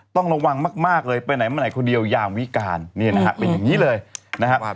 ต้องระวังมากเลยไปไหนคนเดียวยามวิการเป็นอย่างนี้เลยนะครับ